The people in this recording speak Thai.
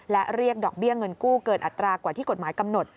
และเรียกดอกเบี้ยเงินกู้เกินอัตรากว่าที่กฎหมายกำหนด